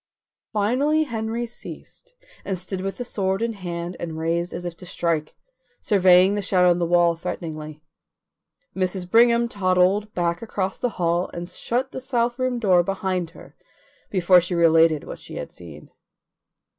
Finally Henry ceased and stood with the sword in hand and raised as if to strike, surveying the shadow on the wall threateningly. Mrs. Brigham toddled back across the hall and shut the south room door behind her before she related what she had seen.